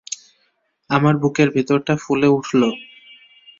আমার বুকের ভিতরটা ফুলে উঠল।